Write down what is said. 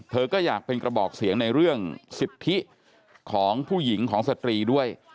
เธอก็อยากเป็นกระบอกเสียงในเรื่องสิทธิของผู้หญิงของสตรีด้วย